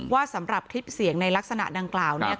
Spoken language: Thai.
สำหรับคลิปเสียงในลักษณะดังกล่าว